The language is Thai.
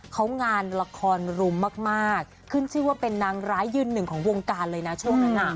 เขางานละครรุมมากขึ้นชื่อว่าเป็นนางร้ายยืนหนึ่งของวงการเลยนะช่วงนั้นน่ะ